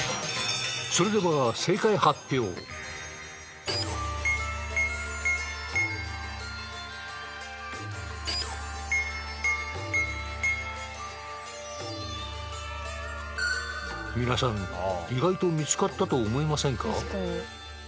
それでは皆さん意外と見つかったと思いませんか？